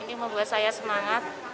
ini membuat saya semangat